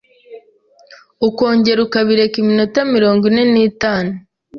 ukongera ukabireka iminota mirongo ine nitanu